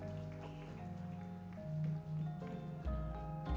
yang berpengalaman untuk memiliki istri